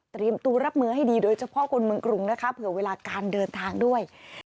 ตัวรับมือให้ดีโดยเฉพาะคนเมืองกรุงนะคะเผื่อเวลาการเดินทางด้วย